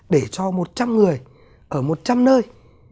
để cho một trăm người ở một trăm nơi